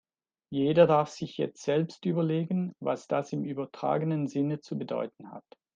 Jeder darf sich jetzt selbst überlegen, was das im übertragenen Sinne zu bedeuten hat.